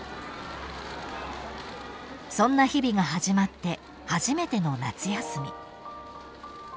［そんな日々が始まって初めての夏休み］